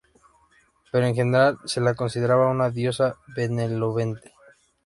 Pero en general se la consideraba una diosa benevolente.